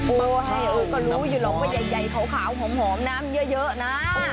โอ้โหก็รู้อยู่หรอกว่าใหญ่ขาวหอมน้ำเยอะนะ